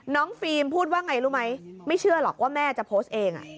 ฟิล์มพูดว่าไงรู้ไหมไม่เชื่อหรอกว่าแม่จะโพสต์เอง